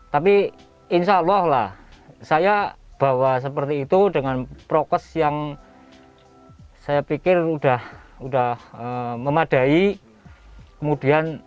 tapi insya allah lah saya bawa seperti itu dengan prokes yang saya pikir udah udah memadai kemudian